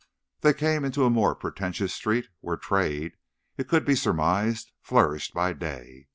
They came into a more pretentious street, where trade, it could be surmised, flourished by day.